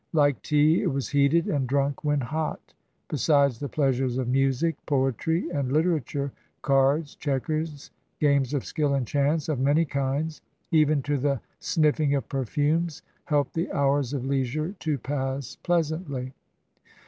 Like tea, it was heated and drunk when hot. Besides the pleasures of music, poetry, and literature, cards, checkers, games of skill and chance, of many kinds, even to the sniffing of perfximes, helped the hours of leisure to pass pleasantly.